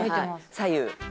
左右。